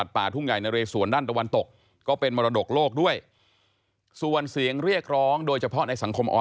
ตามหลักฐาน